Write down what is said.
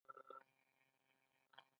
خو د بزګرانو همت لوړ دی.